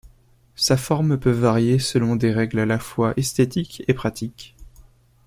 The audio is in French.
Sa forme peut varier selon des règles à la fois esthétiques et pratiques.